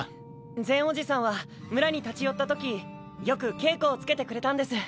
ゼンおじさんは村に立ち寄ったときよく稽古をつけてくれたんです。